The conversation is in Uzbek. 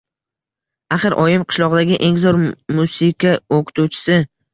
Axir oyim qishloqdagi eng zo‘r musika o‘qituvchisi..